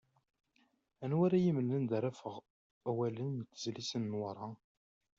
Anwa ara yi-mmlen anda ara afeɣ awalen n tezlit n Newwaṛa?